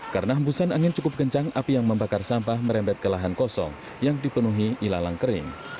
karena busan angin cukup kencang api yang membakar sampah merembet ke lahan kosong yang dipenuhi ilalang kering